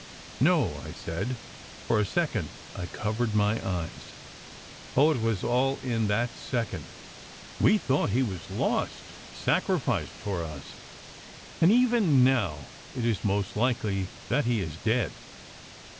" No !" I said ." For a second I covered my eyes ." Oh, it was all in that second ! We thought he was lost, sacrificed for us; and even now it is most likely that he is dead.